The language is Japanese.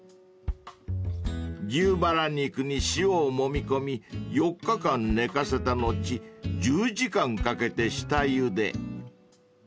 ［牛バラ肉に塩をもみ込み４日間寝かせた後１０時間かけて下ゆで］